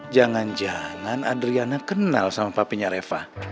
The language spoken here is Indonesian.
jangan jangan adriana kenal sama papanya reva